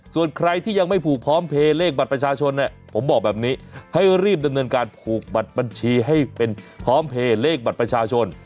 ส่วนใครที่ยังไม่ผูกพร้อมเพลย์เลขบัตรประชาชนเนี่ยผมบอกแบบนี้ให้รีบดำเนินการผูกบัตรบัญชีให้เป็นพร้อมเพลย์เลขบัตรประชาชน